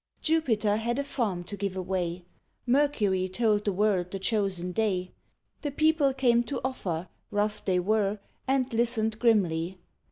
Jupiter had a farm to give away; Mercury told the world the chosen day. The people came to offer, rough they were, And listened grimly.